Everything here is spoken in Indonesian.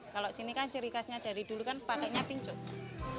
kalau sini kan ciri khasnya dari dulu kan pakainya pincuk